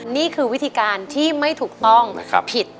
นี่คือวิธีการที่ไม่ถูกต้องผิดอย่างยิ่งนะคะ